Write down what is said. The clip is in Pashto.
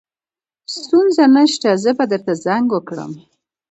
ستونزه نشته زه به درته زنګ وکړم